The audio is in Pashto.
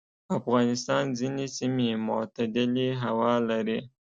افغانستان ځینې سیمې معتدلې هوا لري.